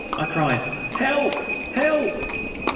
I cried. ... "Help! Help!"